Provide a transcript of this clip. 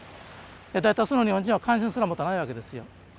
大多数の日本人は関心すら持たないわけですよ。